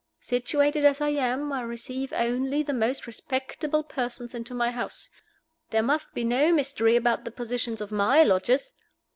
Situated as I am, I receive only the most respectable persons into my house. There must be no mystery about the positions of my lodgers.